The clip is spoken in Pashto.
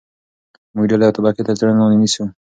موږ ډلې او طبقې تر څېړنې لاندې نیسو.